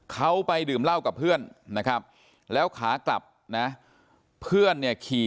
เขาไปดื่มเหล้ากับเพื่อนนะครับแล้วขากลับนะเพื่อนเนี่ยขี่